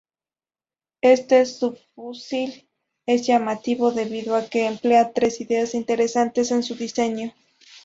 Este subfusil es llamativo debido a que emplea tres ideas interesantes en su diseño.